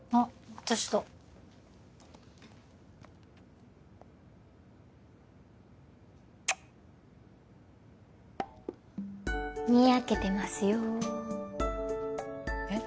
私だにやけてますよえっ？